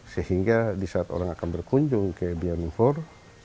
sehingga disaat orang akan berkunjung ke biak indonongpor